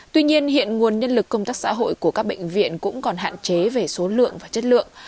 tuy nhiên hiện nguồn nhân lực công tác xã hội của các bệnh viện cũng còn hạn chế về số lượng và chất lượng